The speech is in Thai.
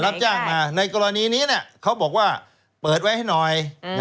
รับจ้างมาในกรณีนี้เขาบอกว่าเปิดไว้ให้หน่อย